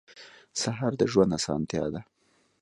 سهار د ژوند اسانتیا ده.